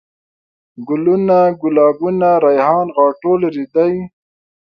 ګلوونه ،ګلابونه ،ريحان ،غاټول ،رېدی